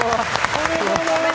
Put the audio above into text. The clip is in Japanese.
ありがとうございます。